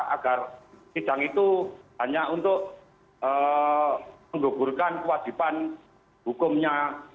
agar sidang itu hanya untuk menggugurkan kewajiban hukumnya